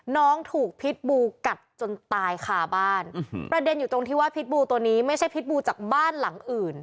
น้องถูกพิษบูกัดจนตายคาบ้านประเด็นอยู่ตรงที่ว่าพิษบูตัวนี้ไม่ใช่พิษบูจากบ้านหลังอื่น